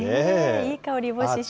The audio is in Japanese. いい香りもしそう。